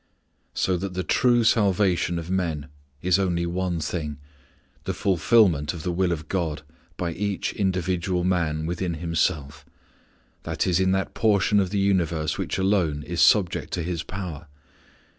So that the true salvation of men is only one thing: the fulfilment of the will of God by each individual man within himself i.e. in that portion of the universe which alone is subject to his power.